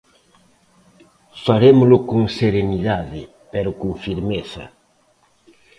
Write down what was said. Farémolo con serenidade, pero con firmeza.